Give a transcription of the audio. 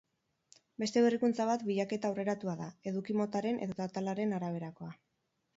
Beste berrikuntza bat bilaketa aurreratua da, eduki motaren edota atalaren araberakoa.